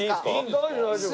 大丈夫大丈夫。